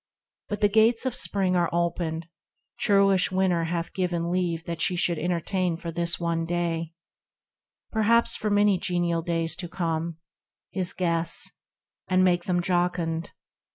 But the gates of Spring Are opened ; churlish winter hath given leave That she should entertain for this one day, Perhaps for many genial days to come, i 4 THE RECLUSE His guests, and make them jocund.